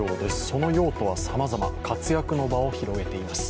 その用途はさまざま、活躍の場を広げています。